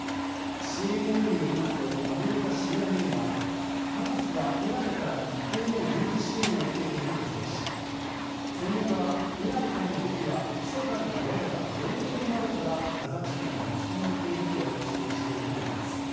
ＣＮＮによりますとアメリカＣＩＡはハマスは、イランから一定の軍事支援を受けていると指摘し専門家はイランからの武器は密かに掘られたトンネルなどからガザ地区に持ち込まれていると指摘しているといいます。